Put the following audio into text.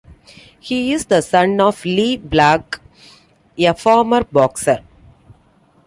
He is the son of Lee Black, a former boxer.